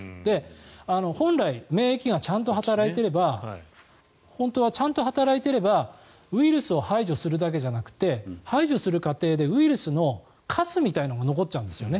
本来、免疫がちゃんと働いていれば本当はちゃんと働いていればウイルスを排除するだけじゃなくて排除する過程でウイルスのかすみたいなものも残っちゃうんですよね。